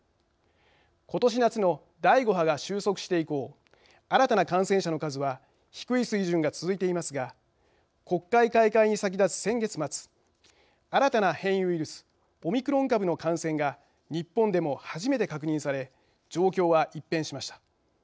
ことし夏の第５波が収束して以降新たな感染者の数は低い水準が続いていますが国会開会に先立つ先月まつ新たな変異ウイルスオミクロン株の感染が日本でも初めて確認され状況は一変しました。